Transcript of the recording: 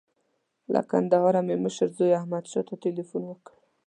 له کندهاره مې مشر زوی احمدشاه ته تیلفون وکړ.